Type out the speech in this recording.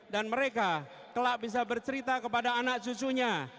dan mereka telah bisa bercerita kepada anak cucunya